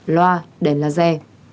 loa đèn là dè